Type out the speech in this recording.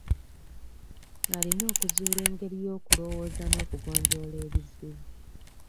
Alina okuzuula engeri y'okulowooza n'okugonjoola ebizibu.